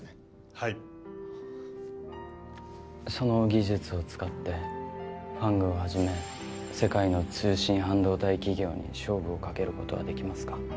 はいその技術を使ってＦＡＡＮＧをはじめ世界の通信半導体企業に勝負をかけることはできますか？